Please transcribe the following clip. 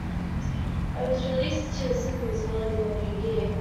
It was released to cinemas early in the New Year.